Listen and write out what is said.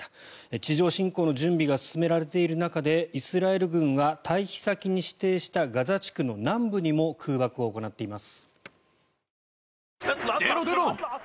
地上侵攻の準備が進められている中でイスラエル軍は退避先に指定したガザ地区の南部にも空爆を行っています。